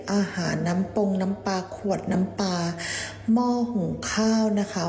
อาหารน้ำปงน้ำปลาขวดน้ำปลาหม้อหุงข้าวนะคะ